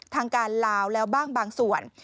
ทางการลาวแล้วบ้างบางส่วน